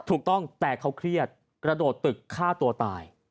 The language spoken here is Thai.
ถูกต้องแต่เขาเครียดกระโดดตึกฆ่าตัวตาย